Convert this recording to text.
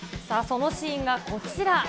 さあ、そのシーンがこちら。